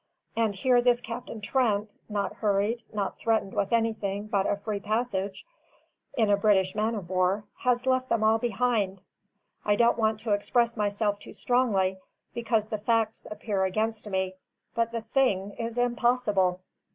And here this Captain Trent not hurried, not threatened with anything but a free passage in a British man of war has left them all behind! I don't want to express myself too strongly, because the facts appear against me, but the thing is impossible."